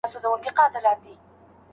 ډېر پوهان په دې اړه خپل بېلابېل نظرونه لري.